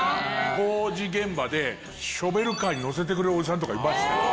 工事現場で、ショベルカーに乗せてくれるおじさんとかいました。